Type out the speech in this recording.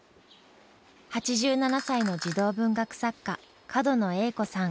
８７歳の児童文学作家角野栄子さん。